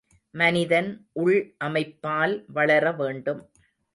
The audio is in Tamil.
மனிதன் உள் அமைப்பால் வளர வேண்டும்.